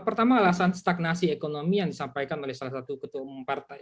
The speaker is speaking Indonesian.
pertama alasan stagnasi ekonomi yang disampaikan oleh salah satu ketua umum partai